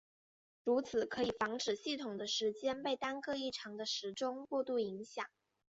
如此可以防止系统的时间被单个异常的时钟过度影响。